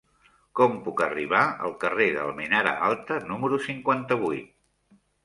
Com puc arribar al carrer d'Almenara Alta número cinquanta-vuit?